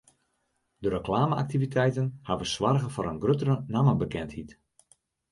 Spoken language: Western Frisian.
De reklame-aktiviteiten hawwe soarge foar in gruttere nammebekendheid.